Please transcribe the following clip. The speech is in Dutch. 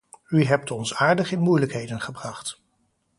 U hebt ons aardig in moeilijkheden gebracht.